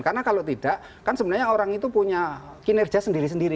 karena kalau tidak kan sebenarnya orang itu punya kinerja sendiri sendiri